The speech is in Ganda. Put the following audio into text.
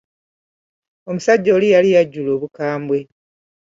Omusajja oli yali yajjula obukambwe.